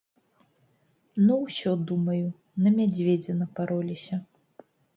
Ну ўсё, думаю, на мядзведзя напароліся.